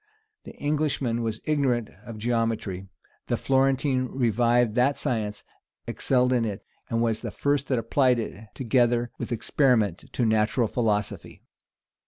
The Englishman was ignorant of geometry: the Florentine revived that science, excelled in it, and was the first that applied it, together with experiment, to natural philosophy.